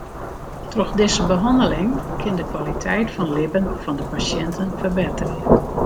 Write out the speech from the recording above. Troch dizze behanneling kin de kwaliteit fan libben fan de pasjinten ferbetterje.